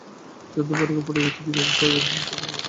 যাঁদের বাড়িঘর পুড়ে গেছে, কীভাবে হবে তাঁদের মাথাগোঁজার ঠাঁই?